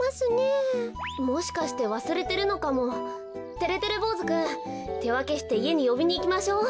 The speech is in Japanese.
てれてれぼうずくんてわけしていえによびにいきましょう。